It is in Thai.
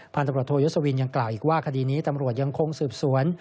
ตำรวจโทยศวินยังกล่าวอีกว่าคดีนี้ตำรวจยังคงสืบสวน